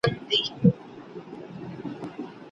په قلم لیکنه کول د یاداښتونو غوره طریقه ده.